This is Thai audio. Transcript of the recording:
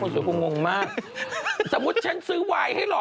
สมมุติว่าเออ